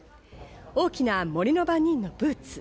大きな森の番人のブーツ。